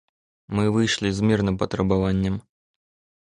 Мы выйшлі з мірным патрабаваннем.